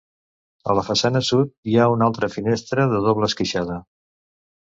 A la façana sud hi ha una altra finestra de doble esqueixada.